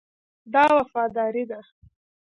دا وفاداري ده.